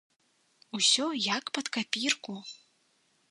Усё як пад капірку!